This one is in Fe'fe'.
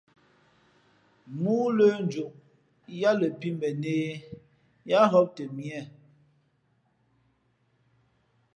Móó lə̄ njoʼ yāā lα pǐ bα nehē, yáá ghōp tαmīe.